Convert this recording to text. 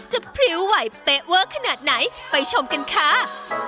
พริ้วไหวเป๊ะเวอร์ขนาดไหนไปชมกันค่ะ